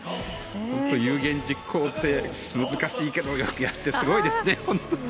本当に有言実行って難しいけどよくやってすごいですね。